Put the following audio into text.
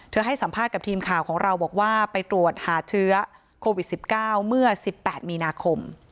ให้สัมภาษณ์กับทีมข่าวของเราบอกว่าไปตรวจหาเชื้อโควิด๑๙เมื่อ๑๘มีนาคม